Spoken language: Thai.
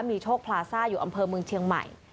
มีโชคพลาซ่าอยู่อำเภอเมืองเชียงใหม่